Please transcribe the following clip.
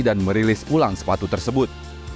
dan merilis ulang sepatu tersebut